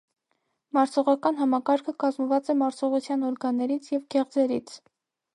Մարսողական համակարգը կազմված է մարսողության օրգաններից և գեղձերից։